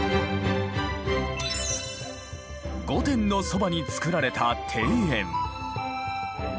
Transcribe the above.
御殿のそばに造られた庭園。